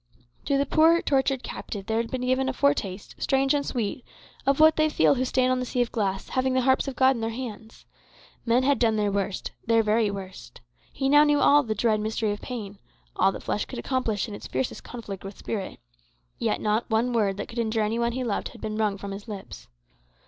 To the poor tortured captive there had been given a foretaste, strange and sweet, of what they feel who stand on the sea of glass, having the harps of God in their hands. Men had done their worst their very worst. He knew now all "the dread mystery of pain;" all that flesh could accomplish in its fiercest conflict with spirit. Yet not one word that could injure any one he loved had been wrung from his lips.